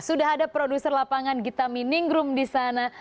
sudah ada produser lapangan gitami ningrum di sana